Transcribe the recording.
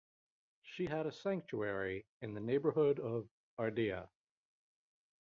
She had a sanctuary in the neighborhood of Ardea.